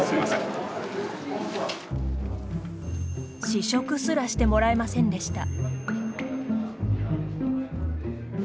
試食すらしてもらえませんでした。